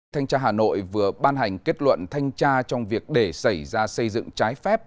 thanh tra hà nội vừa ban hành kết luận thanh tra trong việc để xảy ra xây dựng trái phép